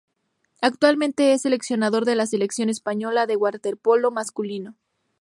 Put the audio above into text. Actualmente es seleccionador de la selección española de waterpolo masculino.